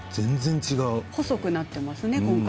細くなってますね、今回。